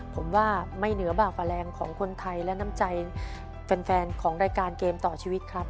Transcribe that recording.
ผมว่าไม่เหนือบาแรงของคนไทยและน้ำใจแฟนของรายการเกมต่อชีวิตครับ